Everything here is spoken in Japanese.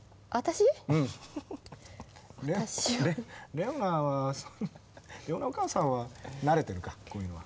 レオナはレオナお母さんは慣れてるかこういうのは。